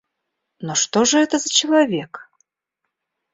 Но что же это за человек?